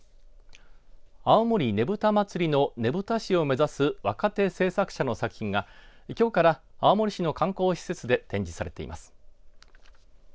青森ねぶた祭のねぶた師を目指す若手制作者の作品がきょうから青森市の観光施設で展示されています。